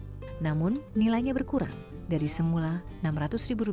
penyaluran bantuan sosial ini diperpanjang jika semula hanya tiga bulan yakni april hingga juni